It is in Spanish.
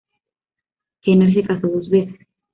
Kenner se casó dos veces.